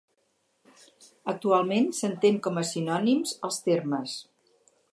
Actualment s'entén com a sinònims els termes: